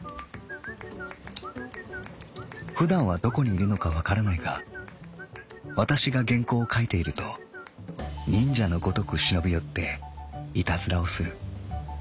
「ふだんはどこにいるのかわからないがわたしが原稿を書いていると忍者のごとく忍び寄っていたずらをする」。